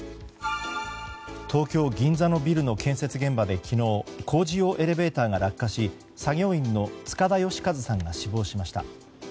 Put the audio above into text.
東京・銀座のビルの建設現場で昨日工事用エレベーターが落下し作業員の塚田吉和さんが死亡しました。